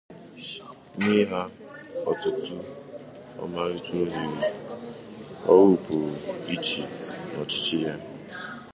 inye ha ọtụtụ ọmarịcha ohere ọrụ pụrụ iche n'ọchịchị ya